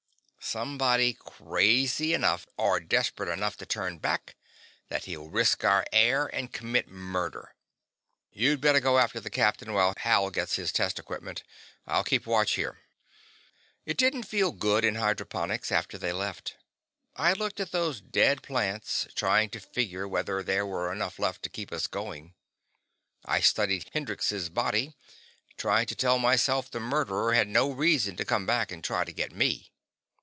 "Somebody crazy enough or desperate enough to turn back that he'll risk our air and commit murder. You'd better go after the captain while Hal gets his test equipment. I'll keep watch here." It didn't feel good in hydroponics after they left. I looked at those dead plants, trying to figure whether there were enough left to keep us going. I studied Hendrix's body, trying to tell myself the murderer had no reason to come back and try to get me.